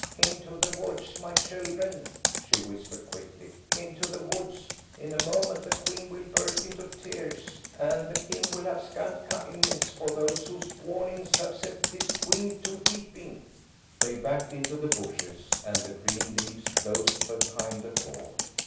"Into the woods, my children," she whispered quickly, "into the woods. In a moment the Queen will burst into tears, and the King will have scant kindness for those whose warnings have set his Queen to weeping." They backed into the bushes, and the green leaves closed behind the four.